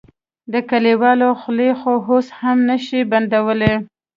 د کليوالو خولې خو اوس هم نه شې بندولی.